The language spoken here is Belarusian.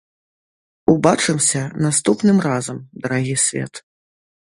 Убачымся наступным разам, дарагі свет.